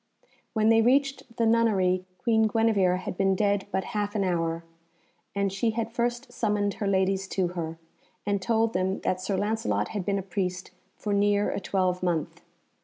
When they reached the nunnery Queen Guenevere had been dead but half an hour, and she had first summoned her ladies to her, and told them that Sir Lancelot had been a priest for near a twelvemonth.